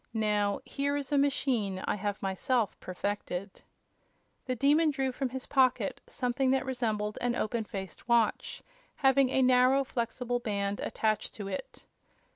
Now, here is a machine I have myself perfected." The Demon drew from his pocket something that resembled an open faced watch, having a narrow, flexible band attached to it.